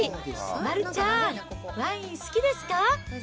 丸ちゃん、ワイン好きですか？